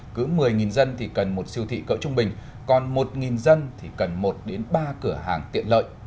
cứ một mươi dân thì cần một siêu thị cỡ trung bình còn một dân thì cần một ba cửa hàng tiện lợi